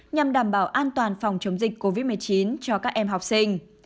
nhằm đảm bảo an toàn phòng chống dịch covid một mươi chín cho các em học sinh